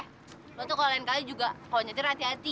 eh lu tuh kalau lain kali juga kalau nyetir hati hati